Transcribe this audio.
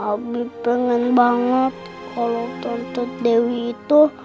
abi pengen banget kalo tante dewi itu